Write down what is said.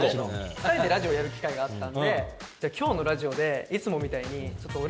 ２人でラジオやる機会があったんで今日のラジオでいつもみたいに。